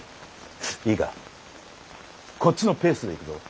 いいかこっちのペースでいくぞ。